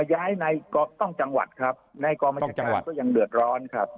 ย้ายในกองต้องจังหวัดครับในกองมจการก็ยังเดือดร้อนครับ